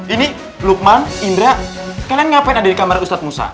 ini lukman indra kalian ngapain ada di kamar ustadz musa